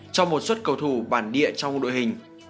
để giữ bản địa trong đội hình